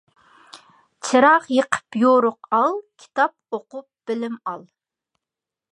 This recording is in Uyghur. چىراغ يېقىپ يورۇق ئال، كىتاب ئوقۇپ بىلىم ئال.